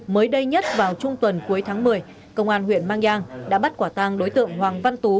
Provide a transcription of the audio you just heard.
mới đây nhất vào trung tuần cuối tháng một mươi công an huyện mang giang đã bắt quả tang đối tượng hoàng văn tú